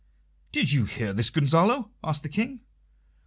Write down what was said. "Did you hear this, Gonzalo?" asked the King.